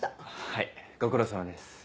はいご苦労さまです。